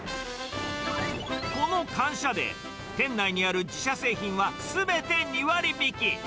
この感謝デー、店内にある自社製品はすべて２割引き。